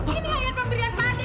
ini ayat pemberian padi